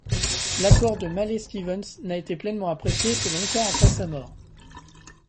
L'apport de Mallet-Stevens n'a été pleinement apprécié que longtemps après sa mort.